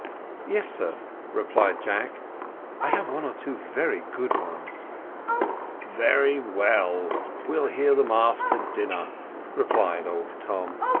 "Yes, sir," replied Jack, "I have one or two very good ones." "Very well, we'll hear them after dinner," replied old Tom.